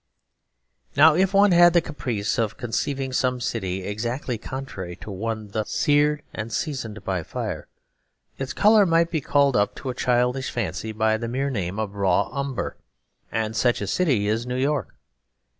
Now if one had the caprice of conceiving some city exactly contrary to one thus seared and seasoned by fire, its colour might be called up to a childish fancy by the mere name of 'raw umber'; and such a city is New York.